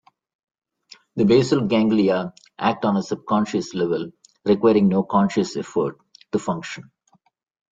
The basal ganglia act on a subconscious level, requiring no conscious effort to function.